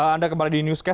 anda kembali di newscast